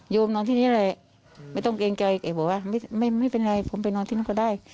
นอนที่นี่แหละไม่ต้องเกรงใจแกบอกว่าไม่เป็นไรผมไปนอนที่นั่นก็ได้